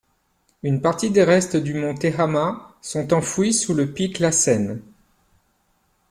Une partie des restes du mont Tehama sont enfouis sous le pic Lassen.